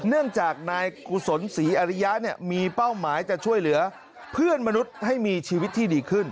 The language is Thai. เนื่องจากนายกุศลศรีอริยะมีเป้าหมายจะช่วยเหลือเพื่อนมนุษย์ให้มีชีวิตที่ดีขึ้น